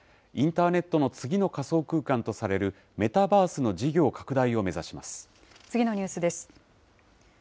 インターネットの次の仮想空間とされる、メタバースの事業拡大を次のニュースです。